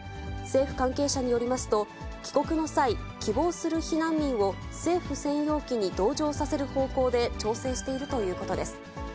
政府関係者によりますと、帰国の際、希望する避難民を政府専用機に同乗させる方向で調整しているということです。